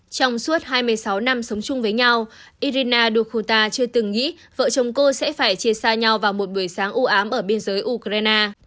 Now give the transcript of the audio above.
trong suốt hai mươi sáu năm sống chung với nhau irina dokuta chưa từng nghĩ vợ chồng cô sẽ phải chia xa nhau vào một buổi sáng ưu ám ở biên giới ukraine